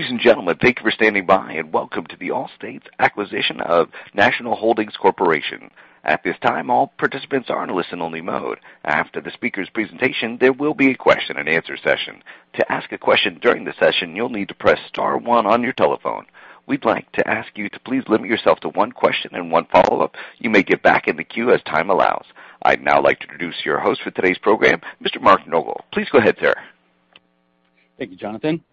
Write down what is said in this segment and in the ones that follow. Ladies and gentlemen, thank you for standing by, and welcome to Allstate's acquisition of National General Holdings Corp. At this time, all participants are in a listen-only mode. After the speakers' presentation, there will be a question and answer session. To ask a question during the session, you will need to press star one on your telephone. We would like to ask you to please limit yourself to one question and one follow-up. You may get back in the queue as time allows. I would now like to introduce your host for today's program, Mr. Mark Noble. Please go ahead, sir. Thank you, Jonathan.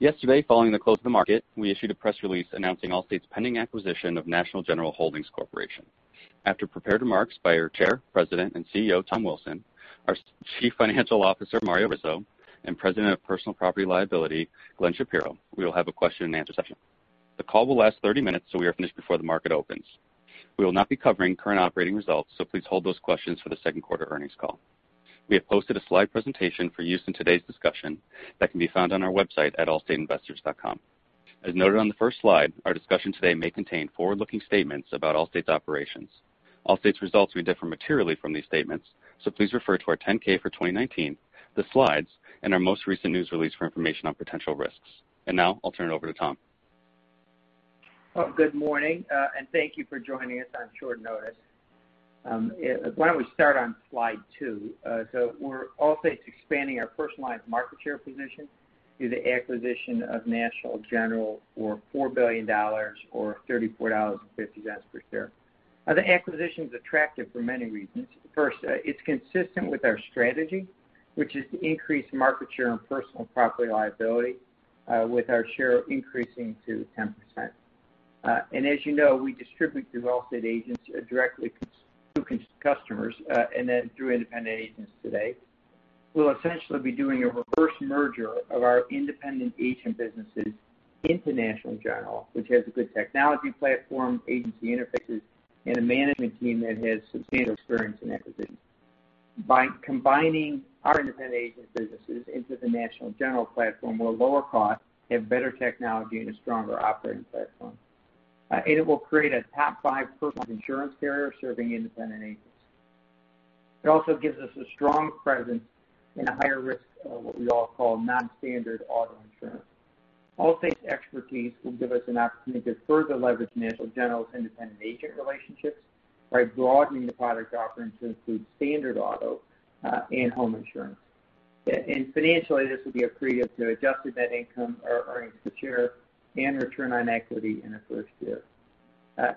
Yesterday, following the close of the market, we issued a press release announcing Allstate's pending acquisition of National General Holdings Corp. After prepared remarks by our Chair, President, and CEO, Tom Wilson, our Chief Financial Officer, Mario Rizzo, and President of Property-Liability, Glenn Shapiro, we will have a question and answer session. The call will last 30 minutes so we are finished before the market opens. We will not be covering current operating results, so please hold those questions for the second quarter earnings call. We have posted a slide presentation for use in today's discussion that can be found on our website at allstateinvestors.com. As noted on the first slide, our discussion today may contain forward-looking statements about Allstate's operations. Allstate's results may differ materially from these statements, so please refer to our 10K for 2019, the slides, and our most recent news release for information on potential risks. Now I will turn it over to Tom. Well, good morning, and thank you for joining us on short notice. Why don't we start on slide two? Allstate's expanding our personal lines market share position through the acquisition of National General for $4 billion or $34.50 per share. The acquisition is attractive for many reasons. First, it is consistent with our strategy, which is to increase market share and personal property liability, with our share increasing to 10%. As you know, we distribute through Allstate agents directly to customers and then through independent agents today. We will essentially be doing a reverse merger of our independent agent businesses into National General, which has a good technology platform, agency interfaces, and a management team that has substantial experience in acquisitions. By combining our independent agent businesses into the National General platform, we will lower costs, have better technology, and a stronger operating platform. It will create a top five personal insurance carrier serving independent agents. It also gives us a strong presence in a higher risk of what we all call non-standard auto insurance. Allstate's expertise will give us an opportunity to further leverage National General's independent agent relationships by broadening the product offering to include standard auto and home insurance. Financially, this will be accretive to adjusted net income or earnings per share and return on equity in our first year.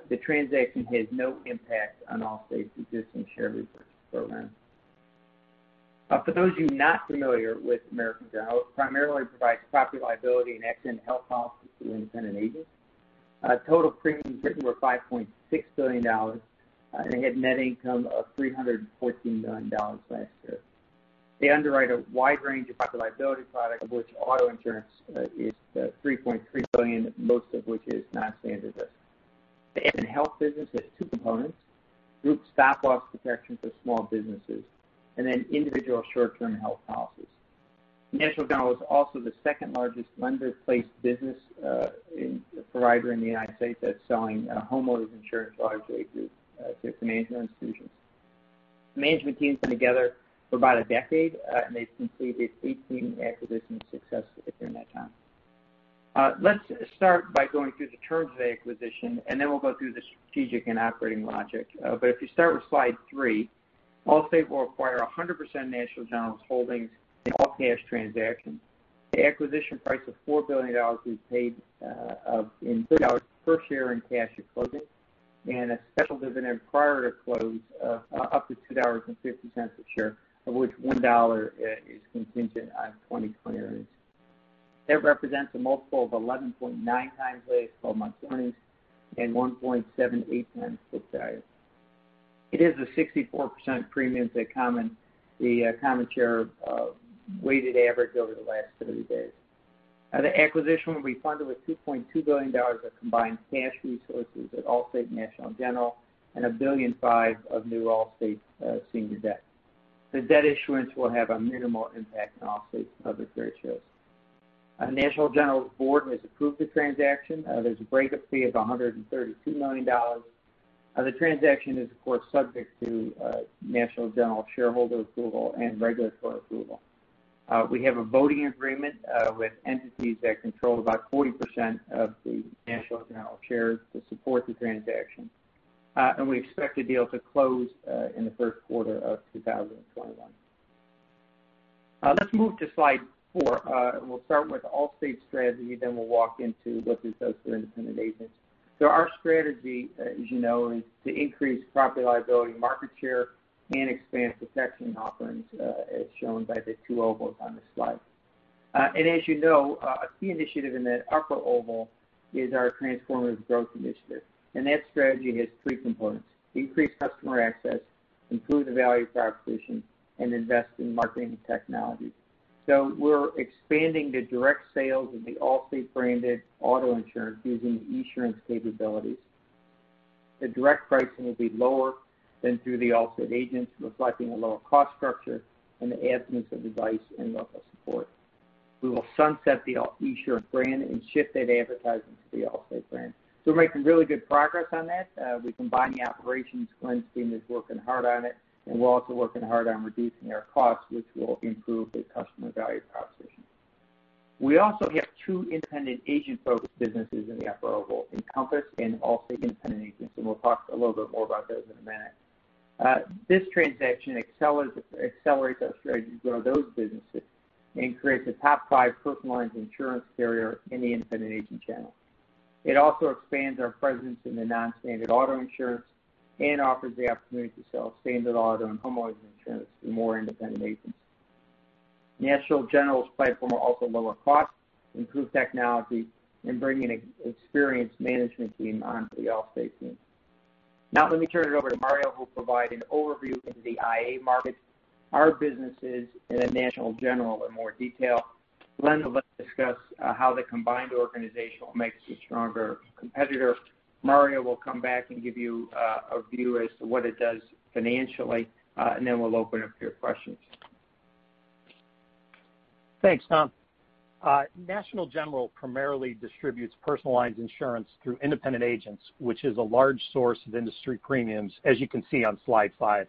The transaction has no impact on Allstate's existing share repurchase program. For those of you not familiar with National General, it primarily provides property liability and accident health policies through independent agents. Total premiums written were $5.6 billion, and they had net income of $314 million last year. They underwrite a wide range of property liability products, of which auto insurance is $3.3 billion, most of which is non-standard risk. The accident health business has two components, group stop-loss protection for small businesses, and then individual short-term health policies. National General is also the second largest lender-placed business provider in the U.S. that's selling homeowners insurance largely through financial institutions. The management team's been together for about a decade, and they've completed 18 acquisitions successfully during that time. Let's start by going through the terms of the acquisition, then we'll go through the strategic and operating logic. If you start with slide three, Allstate will acquire 100% of National General's holdings in an all-cash transaction. The acquisition price of $4 billion will be paid in $34.50 per share in cash at closing and a special dividend prior to close of up to $2.50 a share, of which $1 is contingent on 2020 earnings. That represents a multiple of 11.9 times the 12-month earnings and 1.78 times book value. It is a 64% premium to the common share weighted average over the last 30 days. The acquisition will be funded with $2.2 billion of combined cash resources at Allstate National General and $1.5 billion of new Allstate senior debt. The debt issuance will have a minimal impact on Allstate's other credit ratios. National General's board has approved the transaction. There's a breakup fee of $132 million. The transaction is, of course, subject to National General shareholder approval and regulatory approval. We have a voting agreement with entities that control about 40% of the National General shares to support the transaction. We expect the deal to close in the first quarter of 2021. Let's move to slide four. We'll start with Allstate's strategy, then we'll walk into what this does for independent agents. Our strategy, as you know, is to increase property liability, market share, and expand protection offerings, as shown by the two ovals on this slide. As you know, a key initiative in that upper oval is our Transformative Growth initiative. That strategy has three components, increase customer access, improve the value proposition, and invest in marketing and technology. We're expanding the direct sales of the Allstate branded auto insurance using Esurance capabilities. The direct pricing will be lower than through the Allstate agents, reflecting a lower cost structure and the absence of advice and local support. We will sunset the Esurance brand and shift that advertising to the Allstate brand. We're making really good progress on that. We're combining operations. Glenn's team is working hard on it, and we're also working hard on reducing our costs, which will improve the customer value proposition. We also have two independent agent-focused businesses in the upper right role, Encompass and Allstate Independent Agents, and we'll talk a little bit more about those in a minute. This transaction accelerates our strategy to grow those businesses and creates a top five personal lines insurance carrier in the independent agent channel. It also expands our presence in the non-standard auto insurance and offers the opportunity to sell standard auto and homeowners insurance to more independent agents. National General's platform will also lower costs, improve technology, and bring an experienced management team onto the Allstate team. Let me turn it over to Mario, who will provide an overview into the IA market, our businesses, and National General in more detail. He'll discuss how the combined organization will make us a stronger competitor. Mario will come back and give you a view as to what it does financially, and we'll open up to your questions. Thanks, Tom. National General primarily distributes personal lines insurance through independent agents, which is a large source of industry premiums, as you can see on slide five.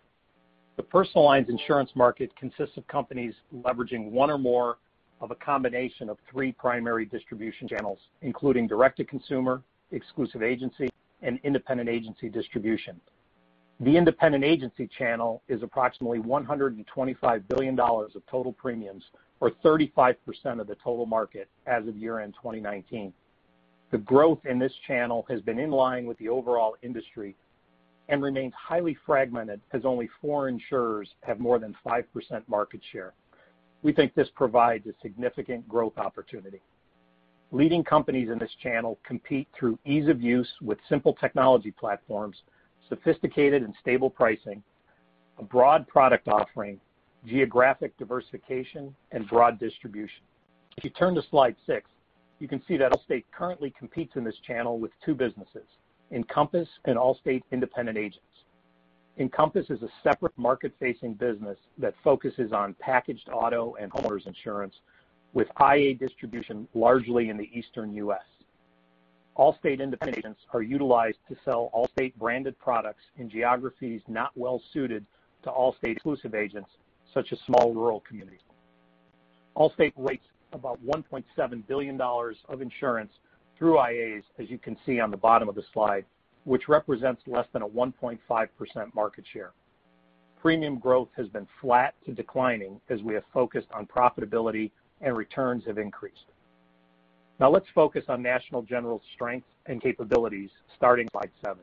The personal lines insurance market consists of companies leveraging one or more of a combination of three primary distribution channels, including direct-to-consumer, exclusive agency, and independent agency distribution. The independent agency channel is approximately $125 billion of total premiums or 35% of the total market as of year-end 2019. The growth in this channel has been in line with the overall industry and remains highly fragmented, as only four insurers have more than 5% market share. We think this provides a significant growth opportunity. Leading companies in this channel compete through ease of use with simple technology platforms, sophisticated and stable pricing, a broad product offering, geographic diversification, and broad distribution. If you turn to slide six, you can see that Allstate currently competes in this channel with two businesses, Encompass and Allstate Independent Agents. Encompass is a separate market-facing business that focuses on packaged auto and homeowners insurance with IA distribution largely in the Eastern U.S. Allstate Independent Agents are utilized to sell Allstate-branded products in geographies not well-suited to Allstate exclusive agents, such as small rural communities. Allstate writes about $1.7 billion of insurance through IAs, as you can see on the bottom of the slide, which represents less than a 1.5% market share. Premium growth has been flat to declining as we have focused on profitability, and returns have increased. Let's focus on National General's strengths and capabilities, starting with slide seven.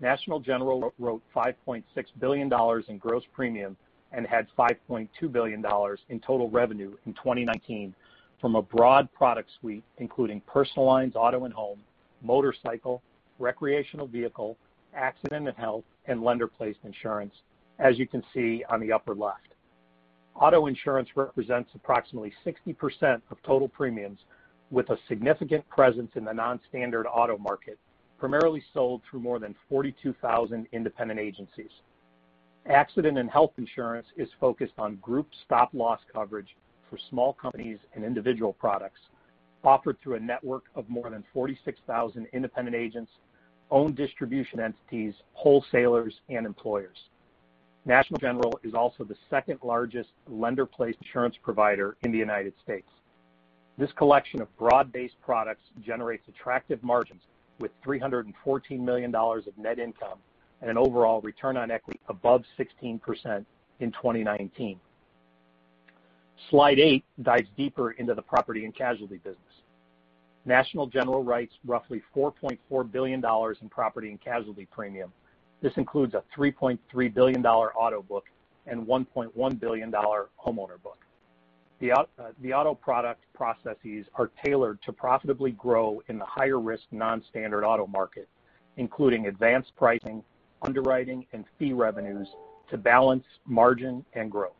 National General wrote $5.6 billion in gross premium and had $5.2 billion in total revenue in 2019 from a broad product suite, including personal lines, auto and home, motorcycle, recreational vehicle, accident and health, and lender-placed insurance, as you can see on the upper left. Auto insurance represents approximately 60% of total premiums, with a significant presence in the non-standard auto market, primarily sold through more than 42,000 independent agencies. Accident and health insurance is focused on group stop-loss coverage for small companies and individual products offered through a network of more than 46,000 independent agents, owned distribution entities, wholesalers, and employers. National General is also the second-largest lender-placed insurance provider in the U.S. This collection of broad-based products generates attractive margins with $314 million of net income and an overall return on equity above 16% in 2019. Slide eight dives deeper into the property and casualty business. National General writes roughly $4.4 billion in property and casualty premium. This includes a $3.3 billion auto book and $1.1 billion homeowner book. The auto product processes are tailored to profitably grow in the higher-risk non-standard auto market, including advanced pricing, underwriting, and fee revenues to balance margin and growth.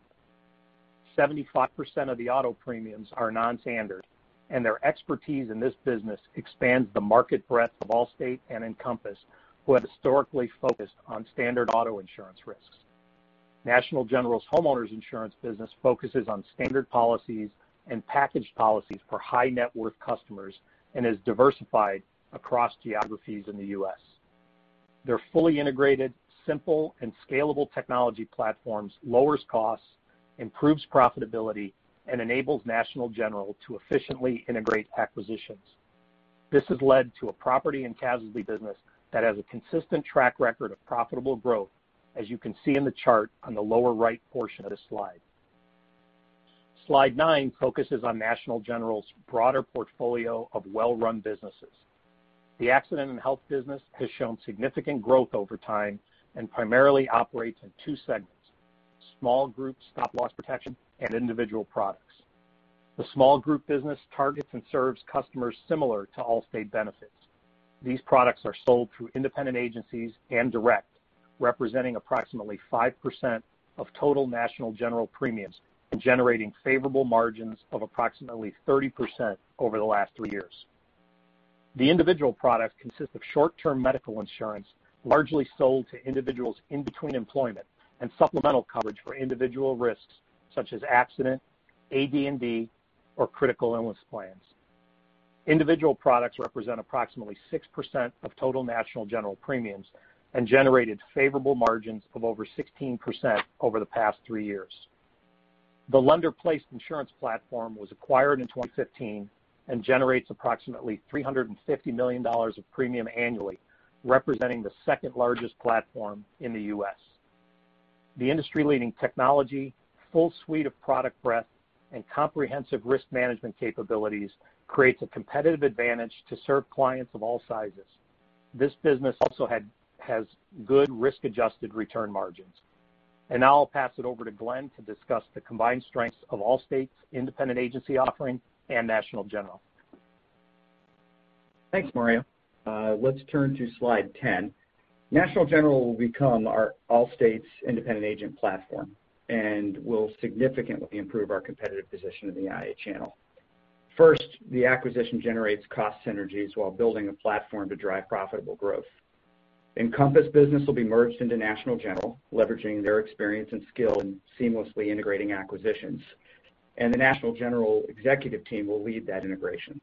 75% of the auto premiums are non-standard, and their expertise in this business expands the market breadth of Allstate and Encompass, who have historically focused on standard auto insurance risks. National General's homeowners insurance business focuses on standard policies and packaged policies for high-net-worth customers and is diversified across geographies in the U.S. Their fully integrated, simple, and scalable technology platforms lowers costs, improves profitability, and enables National General to efficiently integrate acquisitions. This has led to a property and casualty business that has a consistent track record of profitable growth, as you can see in the chart on the lower right portion of this slide. Slide nine focuses on National General's broader portfolio of well-run businesses. The accident and health business has shown significant growth over time and primarily operates in 2 segments, small group stop-loss protection and individual products. The small group business targets and serves customers similar to Allstate Benefits. These products are sold through independent agencies and direct, representing approximately 5% of total National General premiums and generating favorable margins of approximately 30% over the last three years. The individual products consist of short-term medical insurance, largely sold to individuals in between employment, and supplemental coverage for individual risks such as accident, AD&D, or critical illness plans. Individual products represent approximately 6% of total National General premiums and generated favorable margins of over 16% over the past three years. The lender-placed insurance platform was acquired in 2015 and generates approximately $350 million of premium annually, representing the second-largest platform in the U.S. The industry-leading technology, full suite of product breadth, and comprehensive risk management capabilities creates a competitive advantage to serve clients of all sizes. This business also has good risk-adjusted return margins. Now I'll pass it over to Glenn to discuss the combined strengths of Allstate's independent agency offering and National General. Thanks, Mario. Let's turn to slide 10. National General will become Allstate's independent agent platform and will significantly improve our competitive position in the IA channel. The acquisition generates cost synergies while building a platform to drive profitable growth. Encompass business will be merged into National General, leveraging their experience and skill in seamlessly integrating acquisitions, and the National General executive team will lead that integration.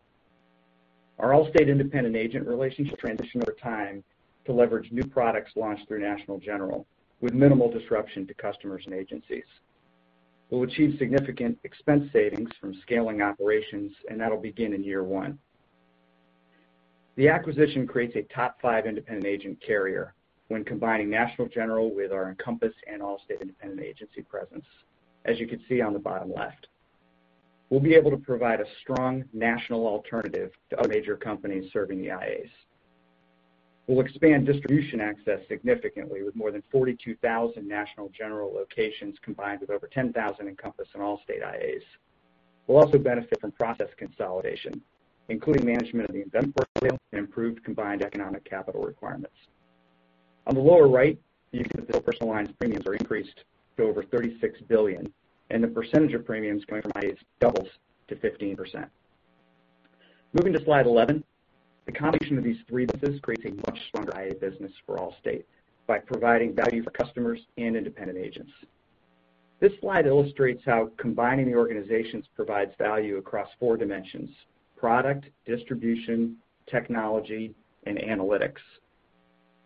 Our Allstate independent agent relationships transition over time to leverage new products launched through National General with minimal disruption to customers and agencies. We'll achieve significant expense savings from scaling operations, that'll begin in year one. The acquisition creates a top five independent agent carrier when combining National General with our Encompass and Allstate independent agency presence, as you can see on the bottom left. We'll be able to provide a strong national alternative to other major companies serving the IAs. We'll expand distribution access significantly with more than 42,000 National General locations, combined with over 10,000 Encompass and Allstate IAs. We'll also benefit from process consolidation, including management of the investment portfolio and improved combined economic capital requirements. On the lower right, you can see that personal lines premiums are increased to over $36 billion, and the percentage of premiums coming from IAs doubles to 15%. Moving to slide 11. The combination of these three businesses creates a much stronger IA business for Allstate by providing value for customers and independent agents. This slide illustrates how combining the organizations provides value across four dimensions: product, distribution, technology, and analytics.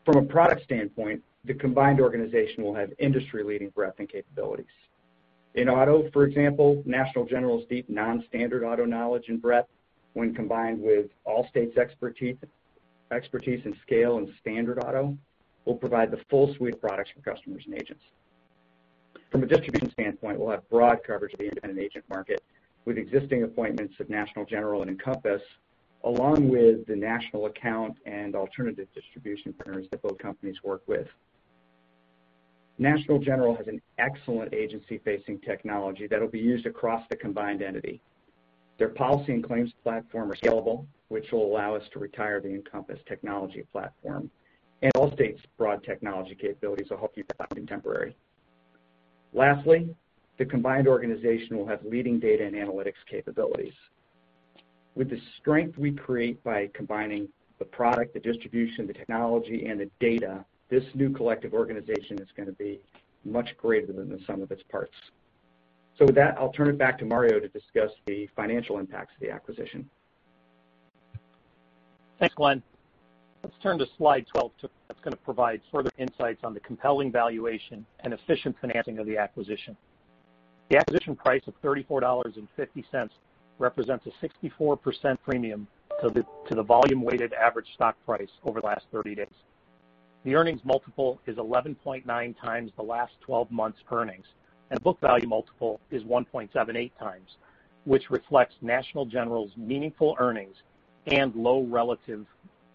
From a product standpoint, the combined organization will have industry-leading breadth and capabilities. In auto, for example, National General's deep non-standard auto knowledge and breadth when combined with Allstate's expertise in scale and standard auto, will provide the full suite of products for customers and agents. From a distribution standpoint, we'll have broad coverage of the independent agent market with existing appointments of National General and Encompass, along with the national account and alternative distribution partners that both companies work with. National General has an excellent agency-facing technology that'll be used across the combined entity. Their policy and claims platform are scalable, which will allow us to retire the Encompass technology platform, Allstate's broad technology capabilities will help keep that contemporary. Lastly, the combined organization will have leading data and analytics capabilities. With the strength we create by combining the product, the distribution, the technology, and the data, this new collective organization is going to be much greater than the sum of its parts. With that, I'll turn it back to Mario to discuss the financial impacts of the acquisition. Thanks, Glenn. Let's turn to slide 12 that is going to provide further insights on the compelling valuation and efficient financing of the acquisition. The acquisition price of $34.50 represents a 64% premium to the volume weighted average stock price over the last 30 days. The earnings multiple is 11.9 times the last 12 months' earnings, and book value multiple is 1.78 times, which reflects National General's meaningful earnings and low relative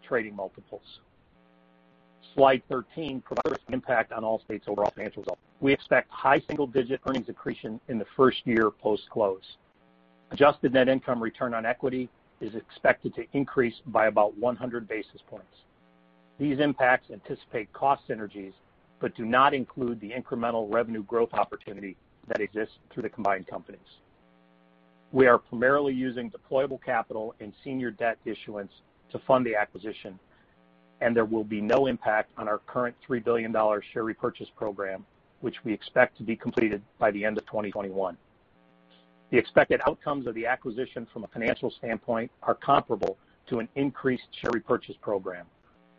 trading multiples. Slide 13 provides the impact on Allstate's overall financial results. We expect high single-digit earnings accretion in the first year post-close. Adjusted net income return on equity is expected to increase by about 100 basis points. These impacts anticipate cost synergies but do not include the incremental revenue growth opportunity that exists through the combined companies. We are primarily using deployable capital and senior debt issuance to fund the acquisition, and there will be no impact on our current $3 billion share repurchase program, which we expect to be completed by the end of 2021. The expected outcomes of the acquisition from a financial standpoint are comparable to an increased share repurchase program.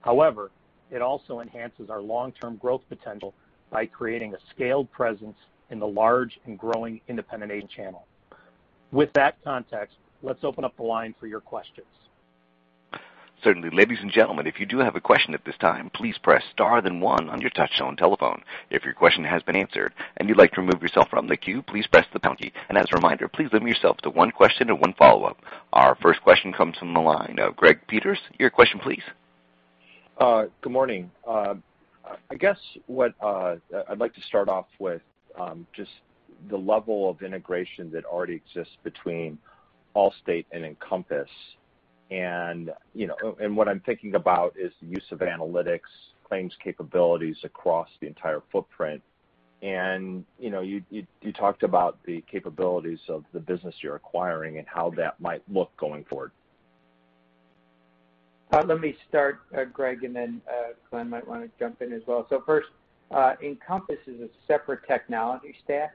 However, it also enhances our long-term growth potential by creating a scaled presence in the large and growing independent agent channel. With that context, let's open up the line for your questions. Certainly. Ladies and gentlemen, if you do have a question at this time, please press star then one on your touchtone telephone. If your question has been answered and you would like to remove yourself from the queue, please press the pound key. As a reminder, please limit yourself to one question and one follow-up. Our first question comes from the line of Greg Peters. Your question please. Good morning. I guess what I would like to start off with just the level of integration that already exists between Allstate and Encompass, and what I am thinking about is the use of analytics, claims capabilities across the entire footprint, and you talked about the capabilities of the business you are acquiring and how that might look going forward. Let me start, Greg, and then Glenn might want to jump in as well. First, Encompass is a separate technology stack.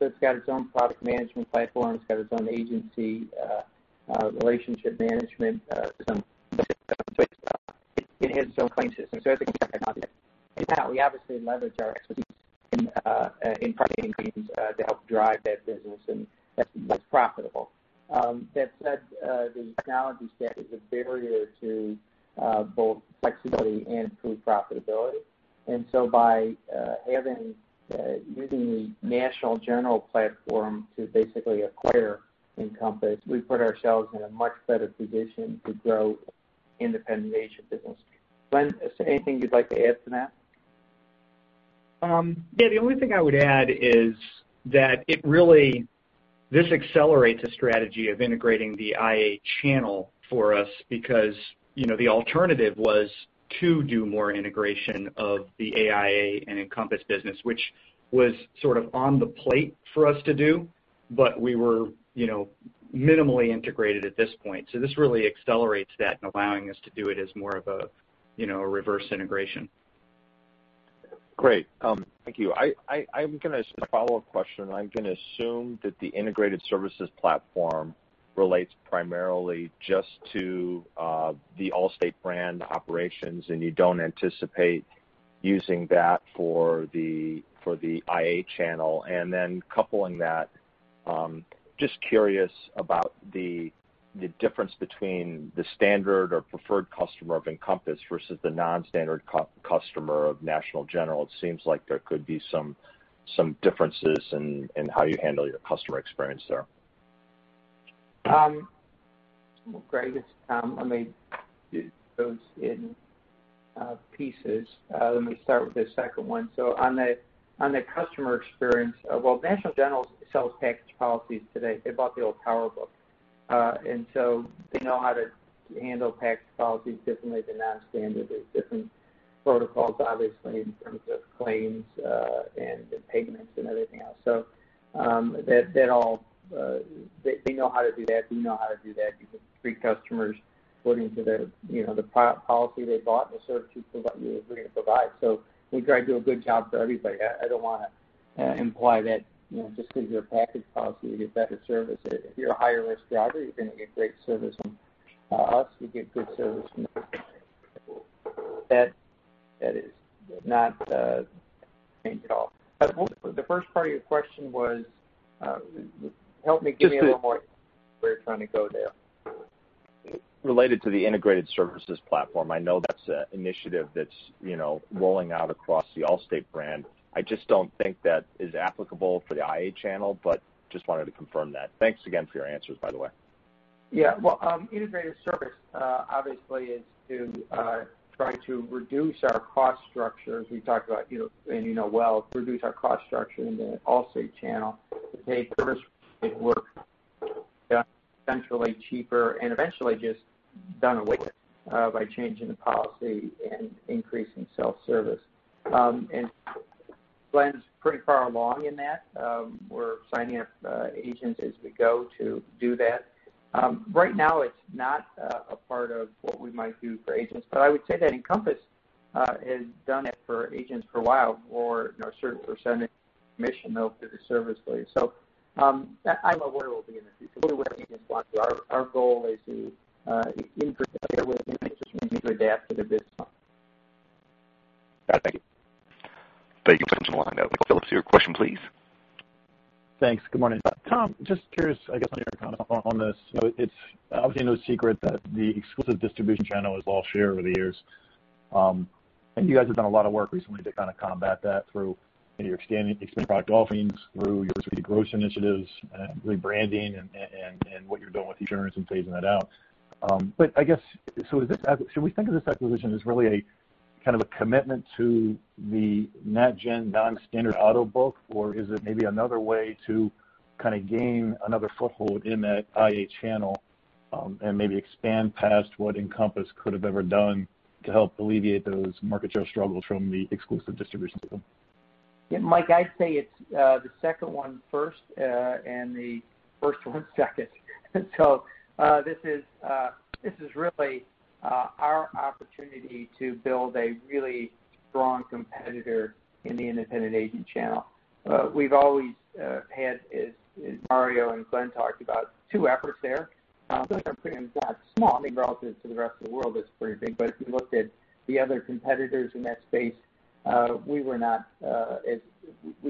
It's got its own product management platform. It's got its own agency, relationship management, some systems, it has its own claim system. Everything's separate. That we obviously leverage our expertise in targeting claims to help drive that business and that's profitable. That said, the technology stack is a barrier to both flexibility and improved profitability. By using the National General platform to basically acquire Encompass, we've put ourselves in a much better position to grow independent agent business. Glenn, is there anything you'd like to add to that? Yeah, the only thing I would add is that this accelerates a strategy of integrating the IA channel for us because, the alternative was to do more integration of the AIA and Encompass business, which was sort of on the plate for us to do, but we were minimally integrated at this point. This really accelerates that and allowing us to do it as more of a reverse integration. Great. Thank you. I have a follow-up question. I'm going to assume that the integrated services platform relates primarily just to the Allstate brand operations, and you don't anticipate using that for the IA channel. Coupling that, just curious about the difference between the standard or preferred customer of Encompass versus the non-standard customer of National General. It seems like there could be some differences in how you handle your customer experience there. Well, Greg, let me do those in pieces. Let me start with the second one. On the customer experience, well, National General sells package policies today. They bought the old Powerbook. They know how to handle package policies differently than non-standard. There's different protocols, obviously, in terms of claims and payments and everything else. They know how to do that. We know how to do that. We can treat customers according to the policy they bought and the services we agreed to provide. We try to do a good job for everybody. I don't want to imply that just because you're a package policy, you get better service. If you're a higher risk driver, you're going to get great service from us. You get good service from everybody. That is not the thing at all. The first part of your question was, help me give me a little more where you're trying to go there. Related to the integrated services platform. I know that's an initiative that's rolling out across the Allstate brand. I just don't think that is applicable for the IA channel, just wanted to confirm that. Thanks again for your answers, by the way. Well, integrated service, obviously is to try to reduce our cost structure, as we talked about, and you know well, reduce our cost structure in the Allstate channel to pay for work done centrally cheaper, and eventually just done away with by changing the policy and increasing self-service. Glenn's pretty far along in that. We're signing up agents as we go to do that. Right now, it's not a part of what we might do for agents, I would say that Encompass has done it for agents for a while, or a certain percentage commission they'll pay the service for you. I'm aware we'll be in the future. We're working in that. Our goal is to increase share with agents when we adapt to their business model. All right. Thank you. Thank you. Next we'll move on now to Michael Phillips, your question, please. Thanks. Good morning, Tom. Just curious, I guess, on your comment on this. It's obviously no secret that the exclusive distribution channel has lost share over the years. You guys have done a lot of work recently to kind of combat that through maybe your extended product offerings, through your strategic growth initiatives, rebranding and what you're doing with Esurance and phasing that out. I guess, should we think of this acquisition as really a kind of a commitment to the NatGen non-standard auto book, or is it maybe another way to kind of gain another foothold in that IA channel, and maybe expand past what Encompass could have ever done to help alleviate those market share struggles from the exclusive distribution system? Yeah, Mike, I'd say it's the second one first, and the first one second. This is really our opportunity to build a really strong competitor in the independent agent channel. We've always had, as Mario and Glenn talked about, two efforts there. Those are pretty small, I mean, relative to the rest of the world, it's pretty big, but if you looked at the other competitors in that space, we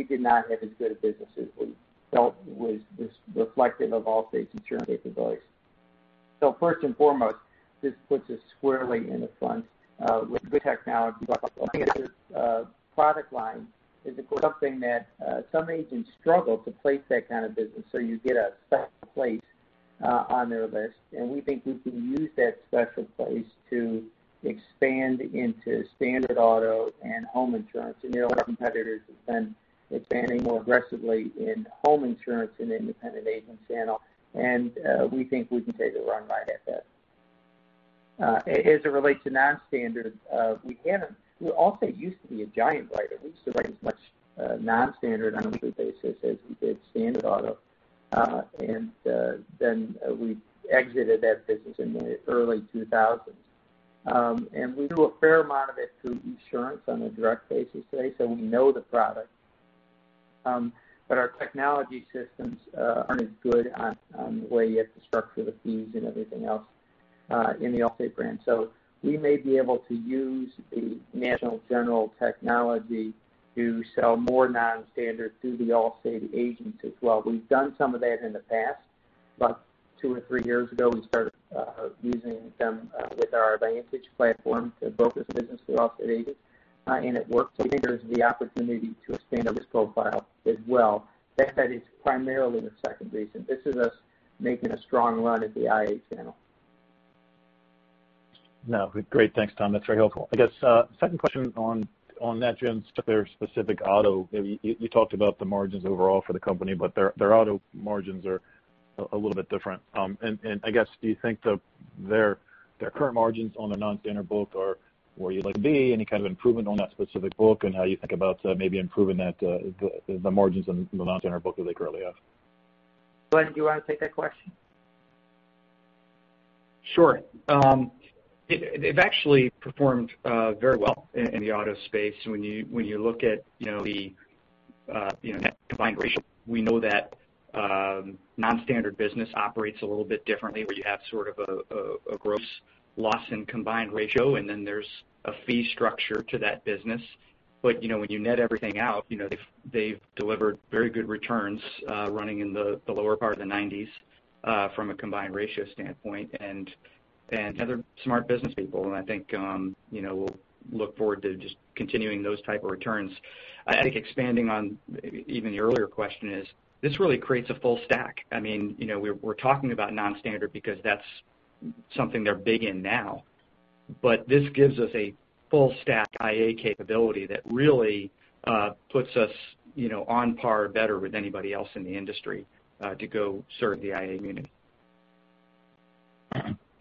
did not have as good a business as we felt was reflective of Allstate's Esurance capabilities. First and foremost, this puts us squarely in the front, with good technology. I think that this product line is something that some agents struggle to place that kind of business, so you get a special place on their list, and we think we can use that special place to expand into standard auto and home insurance. Their competitors have been expanding more aggressively in home insurance in the independent agent channel. We think we can take a run right at that. As it relates to non-standard, Allstate used to be a giant writer. We used to write as much non-standard on an annual basis as we did standard auto. We exited that business in the early 2000s. We do a fair amount of it through Esurance on a direct basis today, so we know the product. Our technology systems aren't as good on the way you have to structure the fees and everything else in the Allstate brand. We may be able to use the National General technology to sell more non-standard through the Allstate agencies. Well, we've done some of that in the past, two or three years ago, we started using them with our LeadVantage platform to broker some business through Allstate agents, it worked. We think there's the opportunity to expand on this profile as well. That is primarily the second reason. This is us making a strong run at the IA channel. No, great. Thanks, Tom. That's very helpful. I guess, second question on NatGen's specific auto. You talked about the margins overall for the company, but their auto margins are a little bit different. I guess, do you think their current margins on their non-standard book are where you'd like to be? Any kind of improvement on that specific book and how you think about maybe improving the margins on the non-standard book as they currently have? Glenn, do you want to take that question? Sure. They've actually performed very well in the auto space. When you look at the net combined ratio, we know that non-standard business operates a little bit differently, where you have sort of a gross loss in combined ratio, and then there's a fee structure to that business. When you net everything out, they've delivered very good returns, running in the lower part of the 90s from a combined ratio standpoint. They're smart business people, and I think we'll look forward to just continuing those type of returns. I think expanding on even the earlier question is, this really creates a full stack. We're talking about non-standard because that's something they're big in now. This gives us a full stack IA capability that really puts us on par, better with anybody else in the industry to go serve the IA unit.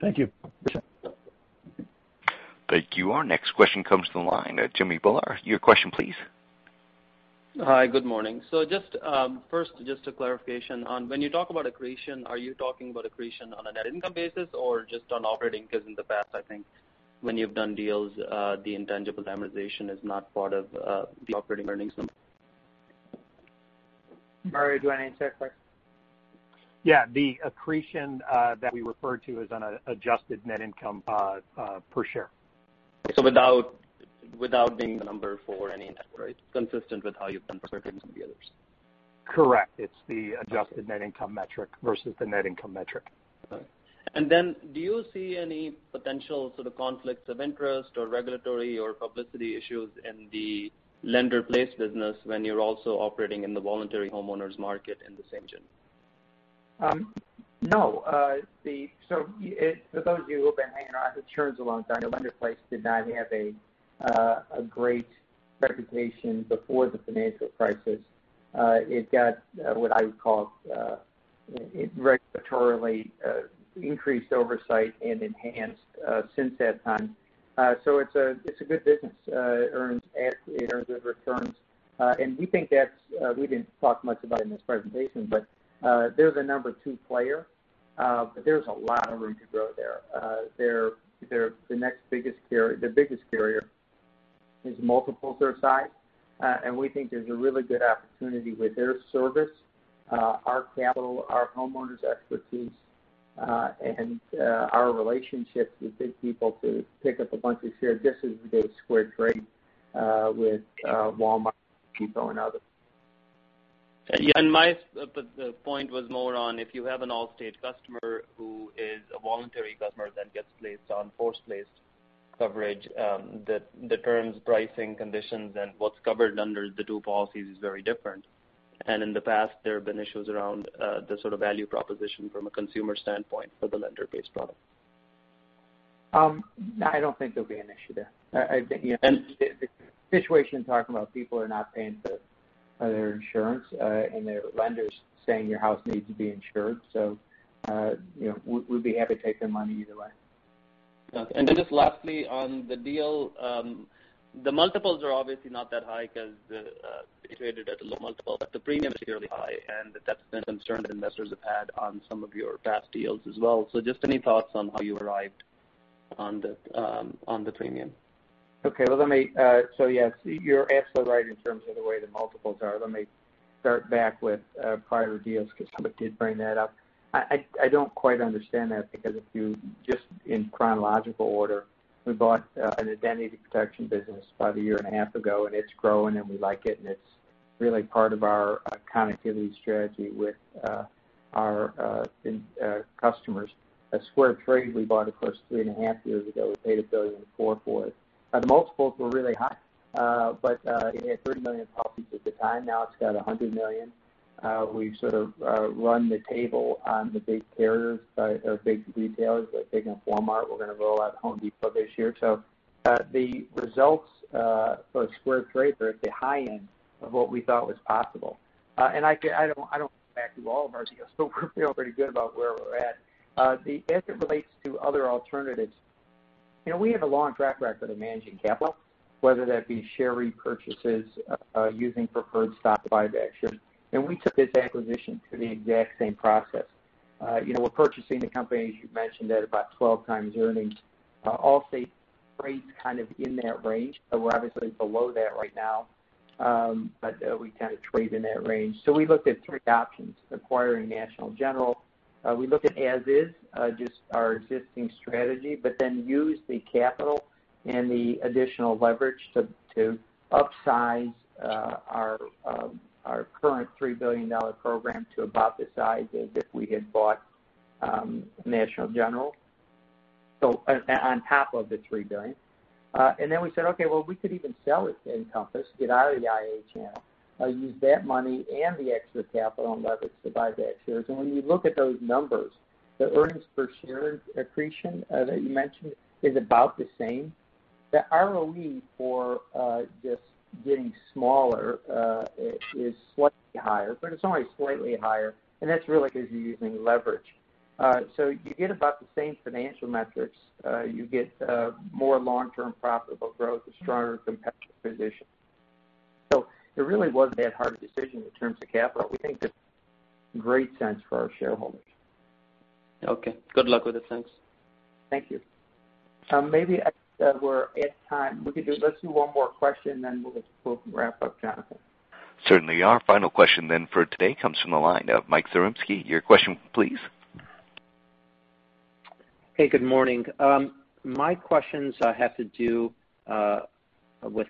Thank you. Appreciate it. Thank you. Our next question comes to the line. Jimmy Bhullar, your question, please. Hi. Good morning. Just first, just a clarification on when you talk about accretion, are you talking about accretion on a net income basis or just on operating? In the past, I think when you've done deals, the intangible amortization is not part of the operating earnings. Mario, do you want to answer that question? Yeah. The accretion that we referred to is on an adjusted net income per share. Without being the number for any intent, right? Consistent with how you've done certain to the others. Correct. It's the adjusted net income metric versus the net income metric. All right. Do you see any potential sort of conflicts of interest or regulatory or publicity issues in the lender-placed business when you're also operating in the voluntary homeowners market in the same geo? No. For those of you who have been hanging on as insurance a long time, lender-placed did not have a great reputation before the financial crisis. It got what I would call regulatorily increased oversight and enhanced since that time. It's a good business. It earns good returns. We think that's, we didn't talk much about it in this presentation, but they're the number 2 player. There's a lot of room to grow there. The next biggest carrier, the biggest carrier is multiple their size. We think there's a really good opportunity with their service, our capital, our homeowners expertise, and our relationships with big people to pick up a bunch of share, just as we did with SquareTrade, with Walmart people and others. Yeah. My point was more on if you have an Allstate customer who is a voluntary customer that gets placed on force-placed coverage, the terms, pricing, conditions, and what's covered under the two policies is very different. In the past, there have been issues around the sort of value proposition from a consumer standpoint for the lender-placed product. I don't think there'll be an issue there. The situation I'm talking about, people are not paying for their Esurance, and their lender's saying your house needs to be insured. We'd be happy to take their money either way. Okay. Then just lastly on the deal, the multiples are obviously not that high because it traded at a low multiple, the premium is clearly high, and that's been a concern that investors have had on some of your past deals as well. Just any thoughts on how you arrived on the premium? Okay. Well, yes, you're absolutely right in terms of the way the multiples are. Let me start back with prior deals because somebody did bring that up. I don't quite understand that because if you, just in chronological order, we bought an identity protection business about a year and a half ago, and it's growing, and we like it, and it's really part of our connectivity strategy with our customers. SquareTrade we bought, of course, three and a half years ago. We paid $1.4 for it. The multiples were really high, but it had 30 million policies at the time. Now it's got 100 million. We've sort of run the table on the big carriers or big retailers by taking up Walmart. We're going to roll out Home Depot this year. The results for SquareTrade are at the high end of what we thought was possible. I don't go back through all of our deals, but we feel pretty good about where we're at. As it relates to other alternatives. We have a long track record of managing capital, whether that be share repurchases, using preferred stock buybacks. We took this acquisition to the exact same process. We're purchasing the company, as you mentioned, at about 12 times earnings. Allstate trades kind of in that range. We're obviously below that right now. We kind of trade in that range. We looked at three options acquiring National General. We looked at as is, just our existing strategy, but then use the capital and the additional leverage to upsize our current $3 billion program to about the size as if we had bought National General, on top of the $3 billion. We said, okay, well, we could even sell it to Encompass, get out of the IA channel, use that money and the extra capital and leverage to buy back shares. When you look at those numbers, the earnings per share accretion that you mentioned is about the same. The ROE for just getting smaller is slightly higher, but it's only slightly higher, and that's really because you're using leverage. You get about the same financial metrics. You get more long-term profitable growth, a stronger competitive position. It really wasn't that hard a decision in terms of capital. We think this is great sense for our shareholders. Okay. Good luck with it. Thanks. Thank you. Maybe we're at time. Let's do one more question, then we'll wrap up, Jonathan. Certainly. Our final question then for today comes from the line of Mike Zaremski. Your question, please. Hey, good morning. My questions have to do with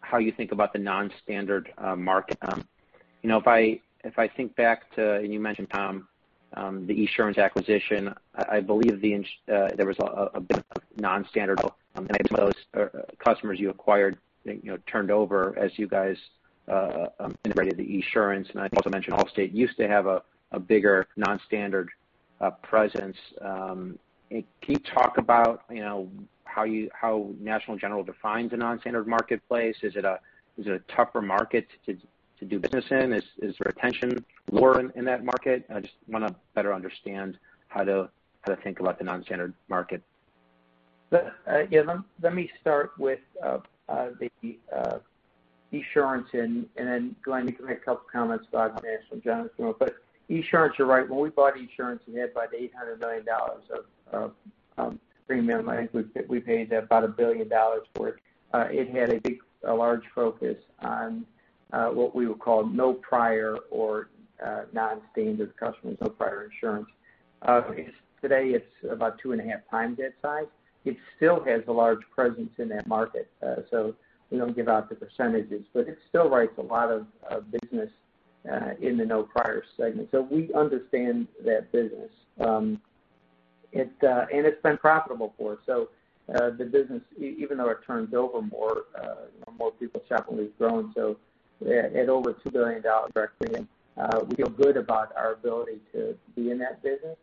how you think about the non-standard market. If I think back to, and you mentioned, Tom, the Esurance acquisition, I believe there was a bit of non-standard customers you acquired turned over as you guys integrated the Esurance. I'd also mention Allstate used to have a bigger non-standard presence. Can you talk about how National General defines a non-standard marketplace? Is it a tougher market to do business in? Is retention lower in that market? I just want to better understand how to think about the non-standard market. Let me start with the Esurance and then, Glenn, you can make a couple comments about National General. Esurance, you're right. When we bought Esurance, it had about $800 million of premium. I think we paid about $1 billion for it. It had a large focus on what we would call no prior or non-standard customers, no prior Esurance. Today, it's about two and a half times that size. It still has a large presence in that market. We don't give out the percentages, but it still writes a lot of business in the no prior segment. We understand that business. It's been profitable for us. The business, even though it turns over more, more people shopping, it's growing, so at over $2 billion of our premium, we feel good about our ability to be in that business.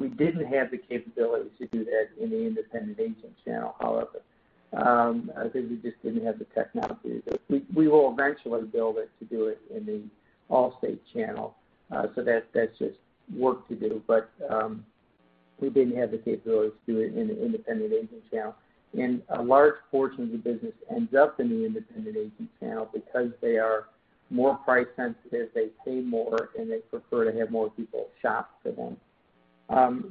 We didn't have the capability to do that in the independent agent channel, however. I think we just didn't have the technology, but we will eventually build it to do it in the Allstate channel. That's just work to do. We didn't have the capability to do it in the independent agent channel. A large portion of the business ends up in the independent agent channel because they are more price sensitive, they pay more, and they prefer to have more people shop for them.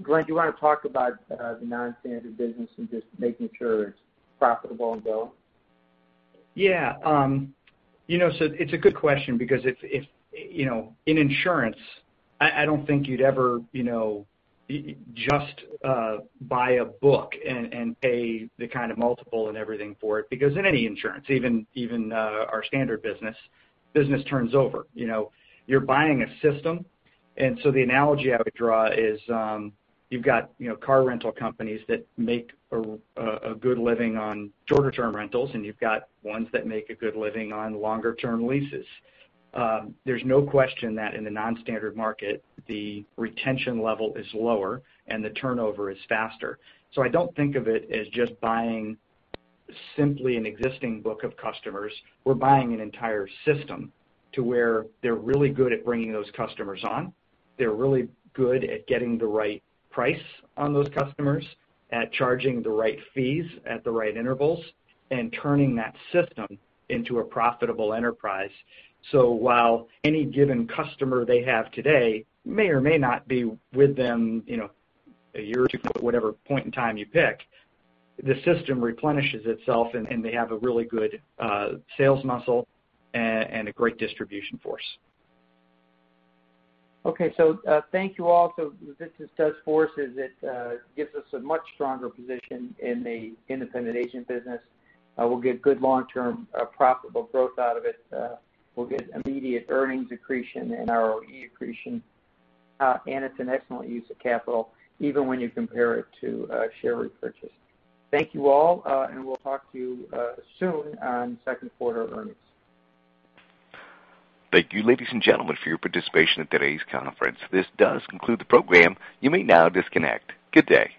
Glenn, do you want to talk about the non-standard business and just making sure it's profitable and growing? Yeah. It's a good question because in Esurance, I don't think you'd ever just buy a book and pay the kind of multiple and everything for it, because in any Esurance, even our standard business turns over. You're buying a system, the analogy I would draw is you've got car rental companies that make a good living on shorter-term rentals, and you've got ones that make a good living on longer-term leases. There's no question that in the non-standard market, the retention level is lower and the turnover is faster. I don't think of it as just buying simply an existing book of customers. We're buying an entire system to where they're really good at bringing those customers on. They're really good at getting the right price on those customers, at charging the right fees at the right intervals, and turning that system into a profitable enterprise. While any given customer they have today may or may not be with them a year or two, whatever point in time you pick, the system replenishes itself, and they have a really good sales muscle and a great distribution force. Okay. Thank you all. What this does for us is it gives us a much stronger position in the independent agent business. We'll get good long-term profitable growth out of it. We'll get immediate earnings accretion and ROE accretion. It's an excellent use of capital, even when you compare it to a share repurchase. Thank you all, and we'll talk to you soon on second quarter earnings. Thank you, ladies and gentlemen, for your participation in today's conference. This does conclude the program. You may now disconnect. Good day.